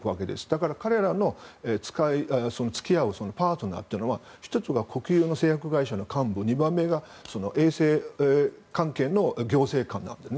だから彼らの付き合うパートナーというのは１つが国営の製薬会社の幹部もう１つが衛生幹部の行政官です。